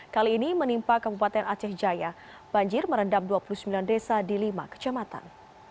kali ini menimpa kabupaten aceh jaya banjir merendam dua puluh sembilan desa di lima kecamatan